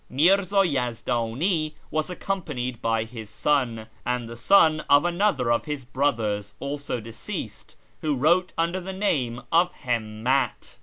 Mirza Yezdani was accompanied by his son, and the son of another of his brothers (also deceased), who wrote under the name of Himmat.